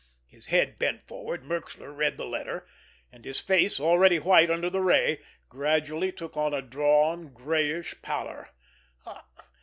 His head bent forward, Merxler read the letter, and his face, already white under the ray, gradually took on a drawn, grayish pallor.